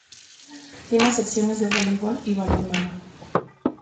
Tiene secciones de voleibol y balonmano.